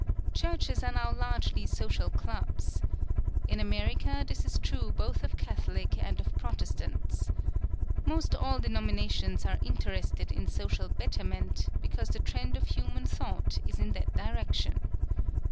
Churches are now largely social clubs. In America this is true both of Catholic and of Protestant. Most all denominations are interested in social betterment, because the trend of human thought is in that direction.